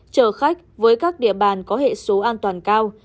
chở khách với các địa bàn có hệ số an toàn cao